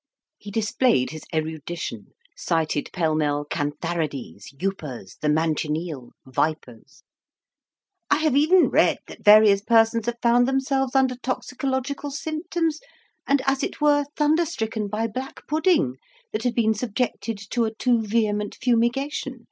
He displayed his erudition, cited pell mell cantharides, upas, the manchineel, vipers. "I have even read that various persons have found themselves under toxicological symptoms, and, as it were, thunderstricken by black pudding that had been subjected to a too vehement fumigation.